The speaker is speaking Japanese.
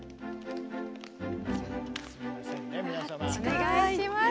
お願いします。